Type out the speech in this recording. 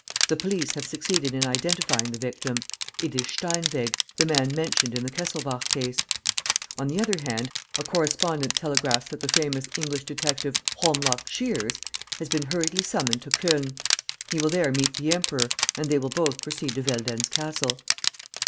The police have succeeded in identifying the victim: it is Steinweg, the man mentioned in the Kesselbach case. "On the other hand, a correspondent telegraphs that the famous English detective, Holmlock Shears, has been hurriedly summoned to Cologne. He will there meet the Emperor; and they will both proceed to Veldenz Castle.